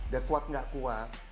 dia kuat nggak kuat